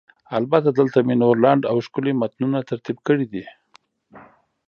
البته، دلته مې نور لنډ او ښکلي متنونه ترتیب کړي دي: